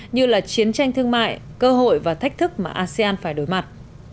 như là chiến tranh thương mại cơ hội và thách thức mà asean phải đối mặt